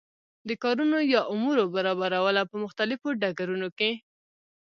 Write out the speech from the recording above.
د کارونو یا امورو برابرول او په مختلفو ډګرونو کی